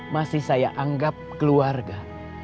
masih saya anggap keluarga